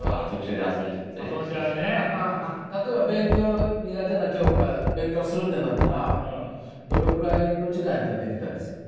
例えば勉強苦手な教科勉強するってなったらどれぐらいの時間やったらできたりする？